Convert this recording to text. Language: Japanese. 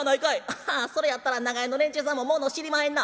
「それやったら長屋の連中さんももの知りまへんな」。